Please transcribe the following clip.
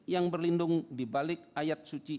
yang berlindung dibalik ayat suci